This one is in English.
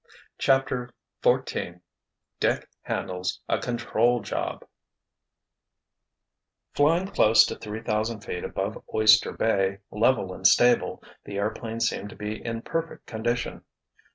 CHAPTER XIV DICK HANDLES A CONTROL JOB Flying close to three thousand feet above Oyster Bay, level and stable, the airplane seemed to be in perfect condition.